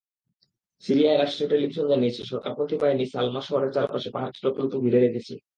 সিরিয়ার রাষ্ট্রীয় টেলিভিশন জানিয়েছে, সরকারপন্থী বাহিনী সালমা শহরের চারপাশের পাহাড় চূড়াগুলোকে ঘিরে রেখেছে।